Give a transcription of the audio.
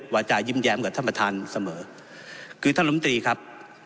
วาจายิ้มแย้มกับท่านประธานเสมอคือท่านลมตรีครับ